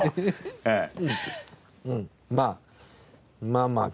まあまあ。